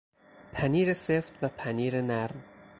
پنیر سفت و پنیر نرم